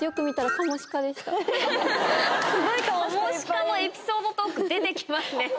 カモシカのエピソードトーク出て来ますね。